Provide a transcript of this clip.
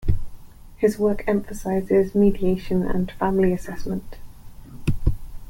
His work emphasizes mediation and family assessment.